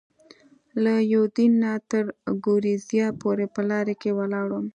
له یوډین نه تر ګورېزیا پورې په لارۍ کې ولاړم.